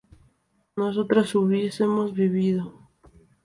nosotras hubiésemos vivido